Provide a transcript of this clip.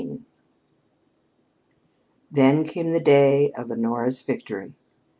XVI Then came the day of Honora's victory!